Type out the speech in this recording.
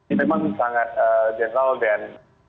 ini memang sangat general dan